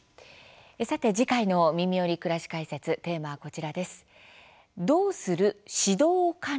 さて、次回の「みみより！くらし解説」テーマはこちらです。